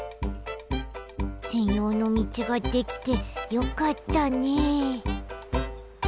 せんようのみちができてよかったねえ。